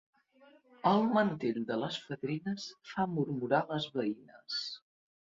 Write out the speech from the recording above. El mantell de les fadrines fa murmurar les veïnes.